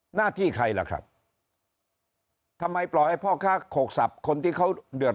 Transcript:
หน้าที่ใครล่ะครับทำไมปล่อยให้พ่อค้าโขกสับคนที่เขาเดือด